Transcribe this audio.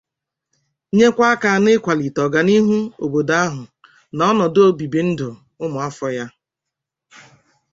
nyekwa aka n'ịkwalite ọganihu obodo ahụ na ọnọdụ obibindụ ụmụafọ ya